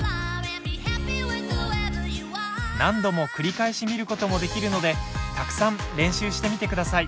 何度も繰り返し見ることもできるのでたくさん練習してみてください。